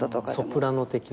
ソプラノ的な？